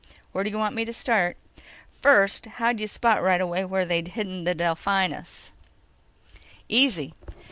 "Where do you want me to start?" "First, how'd you spot right away where they'd hidden the Delphinus?" "Easy.